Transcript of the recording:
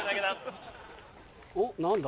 おっ何だ？